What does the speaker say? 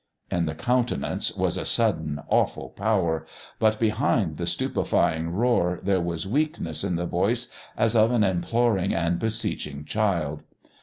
In the countenance was a sudden awful power; but behind the stupefying roar there was weakness in the voice as of an imploring and beseeching child.